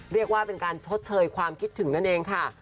เรียกว่าเป็นการชดเชยความคิดถึงนั่นเองค่ะ